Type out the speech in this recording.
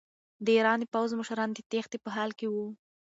د ایران د پوځ مشران د تېښتې په حال کې وو.